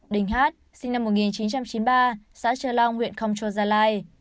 đình h sinh năm một nghìn chín trăm chín mươi ba xã châu long huyện công châu gia lai